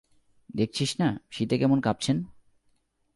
দেখছিস না, শীতে কেমন কাপছেন!